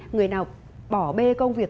người nào bỏ bê công việc